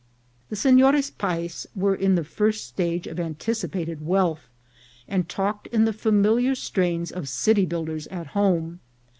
The Senores Payes were in the first stage of an ticipated wealth, and talked in the familiar strains of city builders at home.